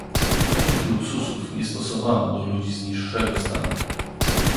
"Takich luksusów nie stosowano do ludzi z niższego stanu."